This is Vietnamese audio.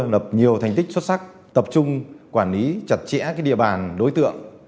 lập nhiều thành tích xuất sắc tập trung quản lý chặt chẽ địa bàn đối tượng